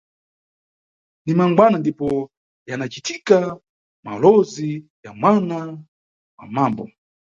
Ni mangwana ndipo yanicitika mawolozi ya mwana wa mambo.